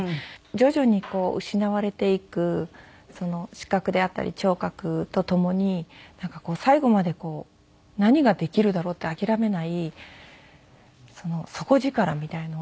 徐々に失われていく視覚であったり聴覚とともになんかこう最後まで何ができるだろう？って諦めない底力みたいなのをすごく感じましたね。